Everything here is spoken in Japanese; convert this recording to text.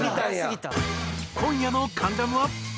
今夜の『関ジャム』は。